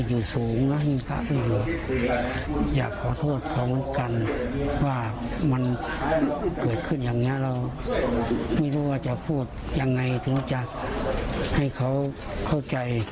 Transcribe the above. อยากขอโทษเขากันว่ามันเกิดขึ้นอย่างเงี้ยเราไม่รู้ว่าจะพูดยังไงถึงจะให้เขาเข้าใจ